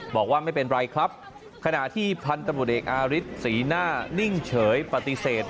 บอกว่าไม่เป็นไรครับขณะที่พันธบทเอกอาริสสีหน้านิ่งเฉยปฏิเสธ